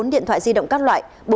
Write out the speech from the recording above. bốn mươi bốn điện thoại di động các loại